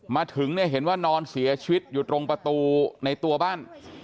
มาถึงเนี่ยเห็นว่านอนเสียชีวิตอยู่ตรงประตูในตัวบ้าน